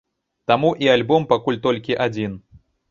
Таму і альбом пакуль толькі адзін.